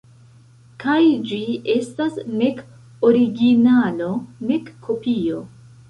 Kaj ĝi estas nek originalo, nek kopio.